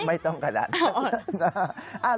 ไม่ต้องกระดาษ